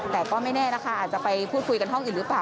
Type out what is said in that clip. แต่ก็ไม่แน่นะคะอาจจะไปพูดคุยกันห้องอื่นหรือเปล่า